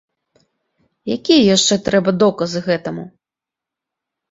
Якія яшчэ трэба доказы гэтаму?